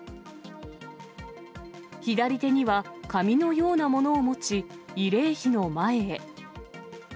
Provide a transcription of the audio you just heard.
左手には紙のようなものを持ち、慰霊碑の前へ。